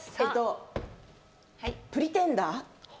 『Ｐｒｅｔｅｎｄｅｒ』？